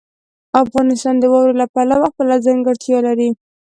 افغانستان د واورو له پلوه خپله ځانګړتیا لري.